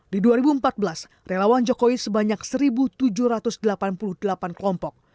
di dua ribu empat belas relawan jokowi sebanyak satu tujuh ratus delapan puluh delapan kelompok